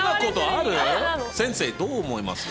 先生どう思います？